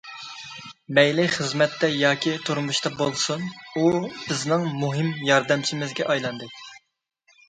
مەيلى خىزمەتتە ياكى تۇرمۇشتا بولسۇن، ئو بىزنىڭ مۇھىم ياردەمچىمىزگە ئايلاندى.